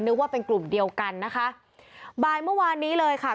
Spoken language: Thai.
นึกว่าเป็นกลุ่มเดียวกันนะคะบ่ายเมื่อวานนี้เลยค่ะ